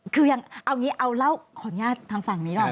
คือยังเอาอย่างนี้เอาเล่าของญาติทางฝั่งนี้หน่อย